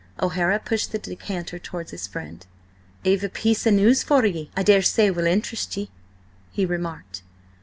O'Hara pushed the decanter towards his friend. "I've a piece of news I daresay will interest ye!" he remarked.